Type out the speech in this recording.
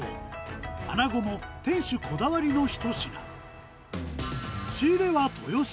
穴子も店主こだわりの一品。